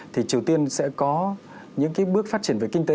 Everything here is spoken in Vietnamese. thì triều tiên sẽ có những bước phát triển về kinh tế